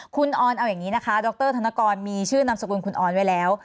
คุณออนเอาอย่างนี้นะคะดรธนกรมีชื่อนามสกุลคุณออนไว้แล้ว